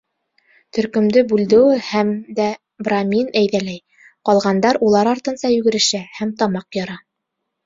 Төркөмдө Бульдео һәм дә брамин әйҙәләй, ҡалғандар улар артынса йүгерешә һәм тамаҡ яра: